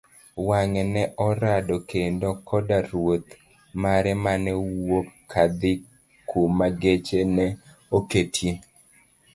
wange' ne orado kendo koda Ruoth mare mane wuok kadhi kuma geche ne oketie.